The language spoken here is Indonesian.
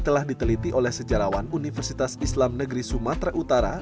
telah diteliti oleh sejarawan universitas islam negeri sumatera utara